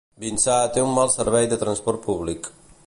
Vinçà té un mal servei de transport públic.